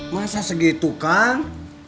masa segitu kang